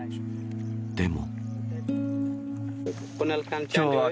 でも。